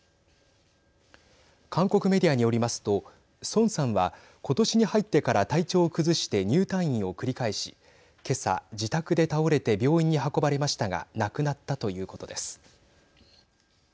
韓国メディアによりますとソンさんは、ことしに入ってから体調を崩して入退院を繰り返し、けさ自宅で倒れて病院に運ばれましたが亡くなったということです。